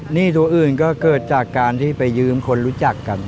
หนี้ตัวอื่นก็เกิดจากการที่ไปยืมคนรู้จักกัน